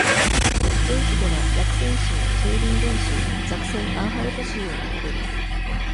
ドイツでは、ザクセン州、チューリンゲン州、ザクセン・アンハルト州を流れる。